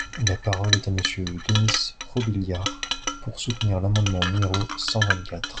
La parole est à Monsieur Denys Robiliard, pour soutenir l’amendement numéro cent vingt-quatre.